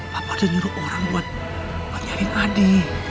papa udah nyuruh orang buat nyari adi